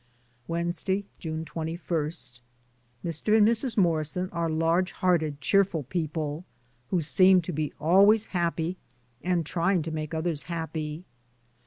Wednesday, June 21. Mr. and Mrs. Morrison are large hearted, cheerful people, who seem to be always happy and trying to make others happy.